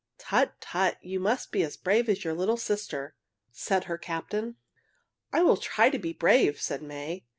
"Tut! tut! You must be as brave as your little sister," said her captain. "I will try to be brave," said May.